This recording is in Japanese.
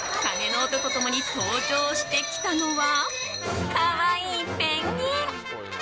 鐘の音と共に登場してきたのは可愛いペンギン！